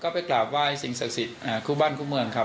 ก็ไปกราบว่าใจสิ่งศักดิ์ศิลป์